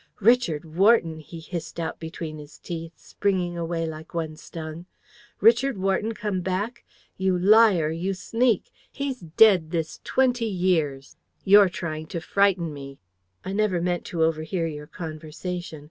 "'Richard Wharton!' he hissed out between his teeth, springing away like one stung. 'Richard Wharton come back! You liar! You sneak! He's dead this twenty years! You're trying to frighten me.' "I never meant to overhear your conversation.